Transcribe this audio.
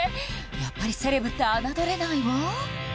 やっぱりセレブって侮れないわ